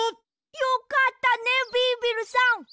よかったねビービルさん！